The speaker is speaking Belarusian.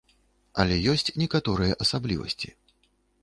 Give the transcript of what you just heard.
Але ёсць некаторыя асаблівасці.